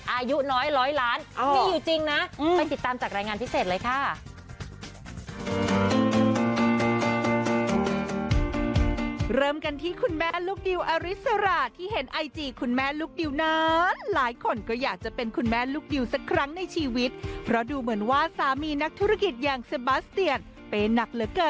อายุน้อย๑๐๐ล้านนี่อยู่จริงนะ